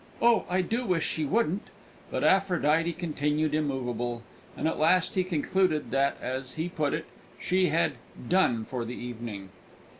"Oh, I do wish she wouldn't!" But Aphrodite continued immovable, and at last he concluded that, as he put it, she "had done for the evening."